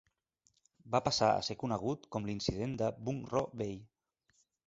Va passar a ser conegut com l'incident de Vung Ro Bay.